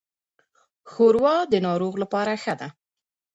ښوروا د ناروغ لپاره ښه ده.